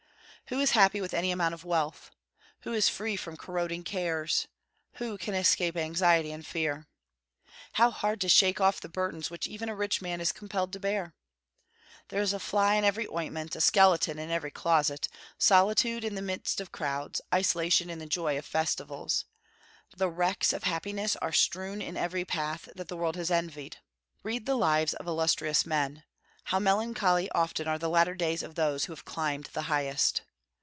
Who is happy with any amount of wealth? Who is free from corroding cares? Who can escape anxiety and fear? How hard to shake off the burdens which even a rich man is compelled to bear? There is a fly in every ointment, a skeleton in every closet, solitude in the midst of crowds, isolation in the joy of festivals. The wrecks of happiness are strewn in every path that the world has envied. Read the lives of illustrious men; how melancholy often are the latter days of those who have climbed the highest!